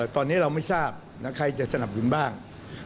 ตอนนี้เราไม่ทราบใครจะสนับสนุนบ้าง